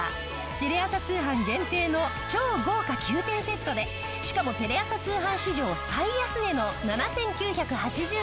テレ朝通販限定の超豪華９点セットでしかもテレ朝通販史上最安値の７９８０円！